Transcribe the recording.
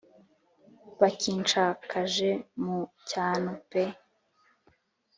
Bakinshakaje mu cyano pe